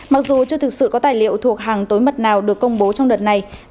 mặc dù chưa thực sự có tài liệu thuộc hàng tối mật nào được công bố trong đợt này